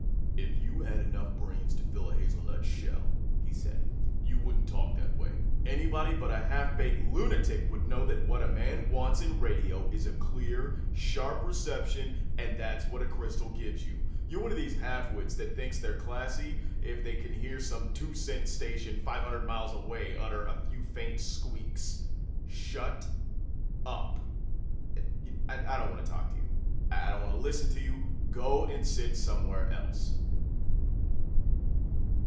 "If you had enough brains to fill a hazelnut shell," he said, "you wouldn't talk that way. Anybody but a half baked lunatic would know that what a man wants in radio is clear, sharp reception and that's what a crystal gives you. You're one of these half wits that think they're classy if they can hear some two cent station five hundred miles away utter a few faint squeaks. Shut up! I don't want to talk to you. I don't want to listen to you. Go and sit somewhere else."